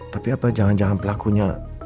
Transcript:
tapi apa jangan jangan pelakunya